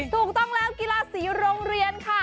ถูกต้องแล้วกีฬาสีโรงเรียนค่ะ